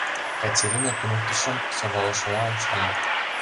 — Катерина туныктышым сӧрвалышыла ончале.